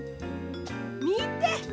みて！